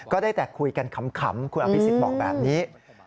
ก็ได้แต่คุยกันขำคุณอภิษฎบอกแบบนี้